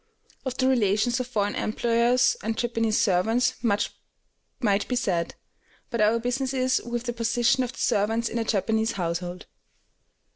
Of the relations of foreign employers and Japanese servants much might be said, but our business is with the position of the servants in a Japanese household.